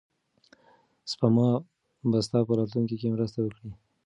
سپما به ستا په راتلونکي کې مرسته وکړي.